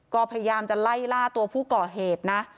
ก็พยายามจะไล่ล่าตัวผู้ก่อเหตุนะ